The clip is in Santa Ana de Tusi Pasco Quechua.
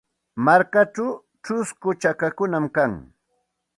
Markachaw chusku chakakunam kan.